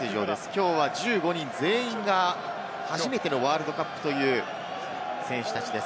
きょうは１５人全員が初めてのワールドカップという選手たちです。